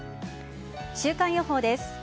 週間予報です。